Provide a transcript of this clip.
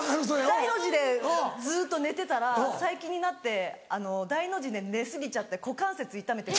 大の字でずっと寝てたら最近になって大の字で寝過ぎちゃって股関節痛めて。